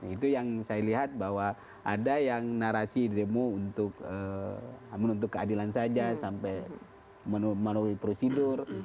itu yang saya lihat bahwa ada yang narasi demo untuk menuntut keadilan saja sampai melalui prosedur